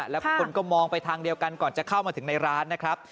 แล้วทุกคนก็มองไปทางเดียวกันก่อนจะเข้ามาถึงในร้านนะครับ